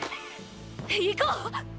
行こう！